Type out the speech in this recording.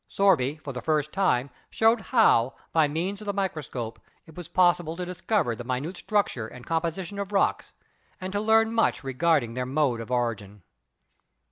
Sorby, 82 GEOLOGY for the first time, showed how, by means of the micro scope, it was possible to discover the minute structure and composition of rocks, and to learn much regarding their mode of origin.